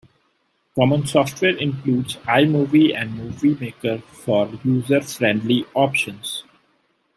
Common software includes iMovie and Movie Maker for user-friendly options.